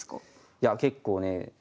いや結構ね。